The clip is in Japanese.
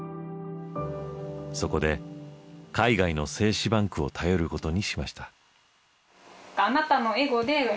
そこで海外の精子バンクを頼ることにしました。